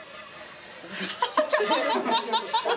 アハハハ。